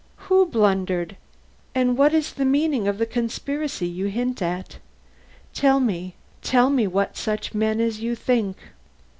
"Who blundered, and what is the meaning of the conspiracy you hint at? Tell me. Tell me what such men as you think."